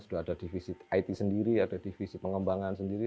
sudah ada divisi it sendiri ada divisi pengembangan sendiri